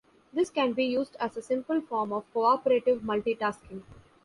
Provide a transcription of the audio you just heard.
This can be used as a simple form of cooperative multitasking.